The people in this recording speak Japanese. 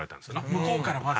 向こうからまず？